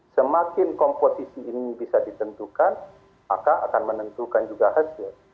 semakin komposisi ini bisa ditentukan maka akan menentukan juga hasil